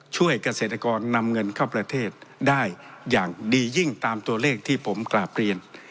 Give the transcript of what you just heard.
ช่วยเกษตรกรนำเงินเข้าประเทศได้อย่างดียิ่งตามตัวเลขที่ผมกราบเรียน